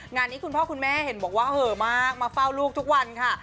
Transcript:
งานนี้คุณพ่อคุณแม่เห็นบอกว่าเหอะมากมาเฝ้าลูกทุกวันค่ะ